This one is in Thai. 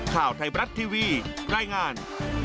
ข่าวไทยบรัฐทีวีรายงาน